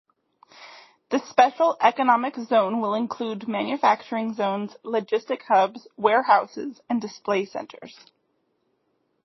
The special economic zone will include manufacturing zones, logistics hubs, warehouses, and display centres.